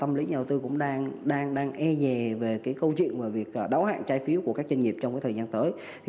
tâm lý nhà đầu tư cũng đang e nhè về cái câu chuyện về việc đáo hạn trái phiếu của các doanh nghiệp trong thời gian tới